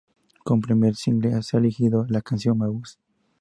Como primer single se ha elegido la canción "Mabuse".